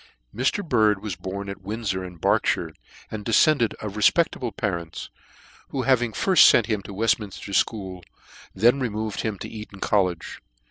A/TR. BIRD was born at Windfor, in Berkshire, * and defcendcd of refpectable parents, who having firft fent him to Weftminfter School, then removed him to Eton College.